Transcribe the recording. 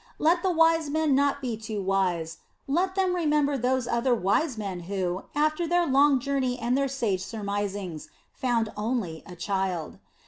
Let the Wise Men not be too wise; let them remember those other Wise Men who, after their long journey and their sage surmisings, found only a Child.